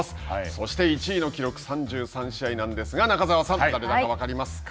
そして１位の記録３３試合なんですが中澤さん誰だか分かりますか。